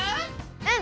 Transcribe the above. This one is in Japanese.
うん！